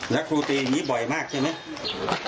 แล้วครูตีอย่างนี้บ่อยมากใช่ไหม